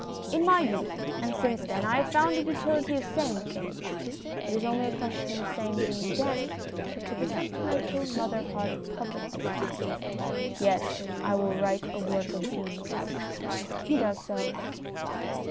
In my youth, and since then, I have found the utility of saying things ; it is only a question of saying things again, but to the sentimental mother hearted public this time. Yes, I will write a work of genius. [He does so.